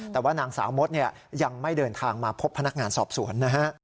แต่ว่านางสาวมดยังไม่เดินทางมาพบพนักงานสอบสวนนะฮะ